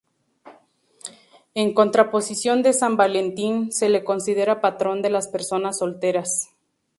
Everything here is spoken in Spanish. En contraposición de San Valentín, se le considera patrón de las personas solteras.